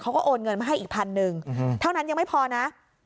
โอนเงินมาให้อีกพันหนึ่งเท่านั้นยังไม่พอนะ